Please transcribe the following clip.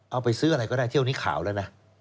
เอาไปซื้ออะไรก็ได้เที่ยวนี้ขาวแล้วนะ